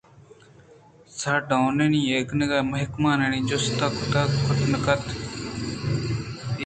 سارڈونی ایندگہ محکمانی جست ءَ کُت نہ کنت ءُاے ہم بوت کنت کہ ایندگہ محکمہ آئی ءِ جستاں پسو مہ دئینت